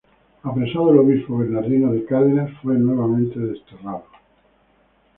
Apresado el obispo Bernardino de Cárdenas, fue nuevamente desterrado.